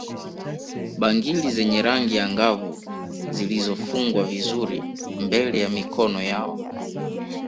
Bangili zenye rangi angavu zilizofungwa vizuri mbele ya mikono yao